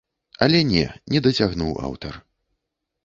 Але не, не дацягнуў аўтар.